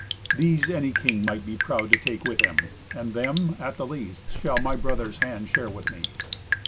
These any king might be proud to take with him, and them, at the least, shall my brothers' hand share with me."